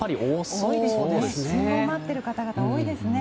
信号待っている方々多いですね。